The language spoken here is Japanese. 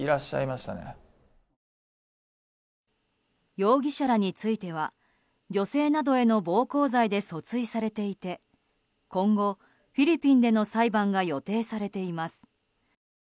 容疑者らについては女性などへの暴行罪で訴追されていて今後、フィリピンでの裁判が予定されています。